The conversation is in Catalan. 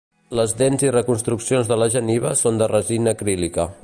Les dents i reconstruccions de la geniva són de resina acrílica.